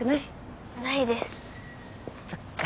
そっか。